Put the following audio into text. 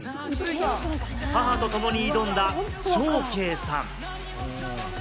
母と共に挑んだ、ショウケイさん。